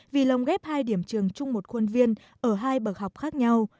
vì lồng ghép hai điểm trường chung một khuôn viên ở hai bậc học khác nhau